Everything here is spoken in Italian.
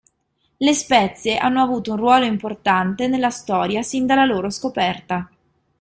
Le spezie hanno avuto un ruolo importante nella storia sin dalla loro scoperta.